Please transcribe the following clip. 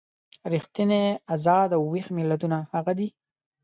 ریښتیني ازاد او ویښ ملتونه هغه دي.